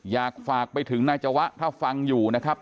อยากฝากไปถึงนายจวะถ้าฟังอยู่นะครับ